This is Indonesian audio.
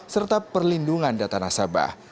serta perlindungan data nasabah